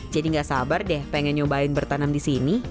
jadi nggak sabar deh pengen nyobain bertanam di sini